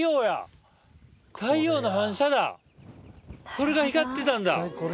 それが光ってたんだ。